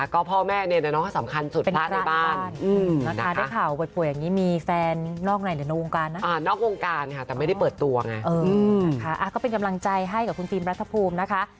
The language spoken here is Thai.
คงไม่มีอะไรที่จะดีเท่านี้แล้ว